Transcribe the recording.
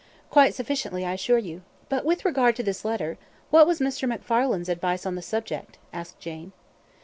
"Quite sufficiently, I assure you. But with regard to this letter what was Mr. McFarlane's advice on the subject?" asked Jane.